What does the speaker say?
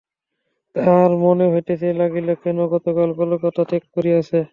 তাহার মনে হইতে লাগিল, যেন কতকাল কলিকাতা ত্যাগ করিয়াছে।